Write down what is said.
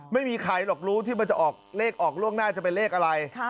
ไม่มีใครหรอกรู้ที่มันจะออกเลขออกล่วงหน้าจะเป็นเลขอะไร